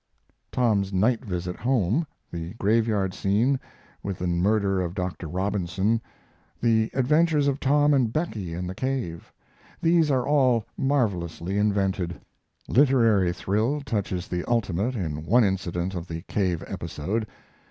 Tom's night visit home; the graveyard scene, with the murder of Dr. Robinson; the adventures of Tom and Becky in the cave these are all marvelously invented. Literary thrill touches the ultimate in one incident of the cave episode.